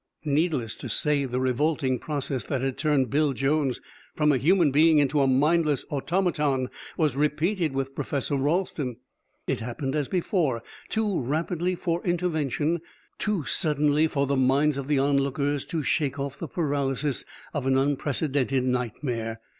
Needless to say, the revolting process that had turned Bill Jones from a human being into a mindless automaton was repeated with Professor Ralston. It happened as before, too rapidly for intervention, too suddenly for the minds of the onlookers to shake off the paralysis of an unprecedented nightmare.